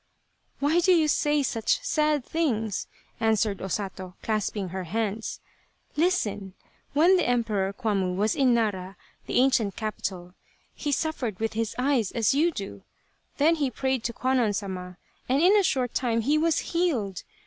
" Why do you say such sad things ?" answered O Sato, clasping her hands. " Listen ! When the Emperor Kwammu was in Nara, the ancient capital, he suffered with his eyes as you do. Then he prayed to Kwannon Sama and in a short time he was healed.